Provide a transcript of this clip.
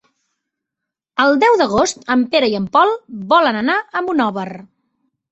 El deu d'agost en Pere i en Pol volen anar a Monòver.